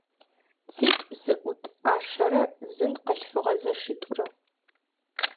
ЦитӀу зыӀут Ӏашэрэ зын къылъфыгъэ зэшитӀурэ.